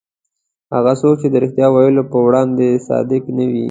هغه څوک چې د رښتیا ویلو په وړاندې صادق نه وي.